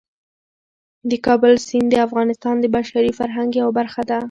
د کابل سیند د افغانستان د بشري فرهنګ یوه برخه ده.